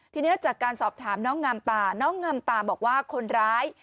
ทีนี้จากการสอบถามน้องงามตาน้องงามตาบอกว่าคนร้าย